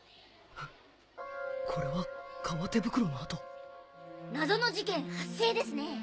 これは革手袋の跡謎の事件発生ですね。